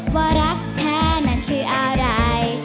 ว่ารักแท้นั้นคืออะไร